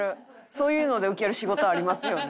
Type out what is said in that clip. そういうので受ける仕事ありますよね。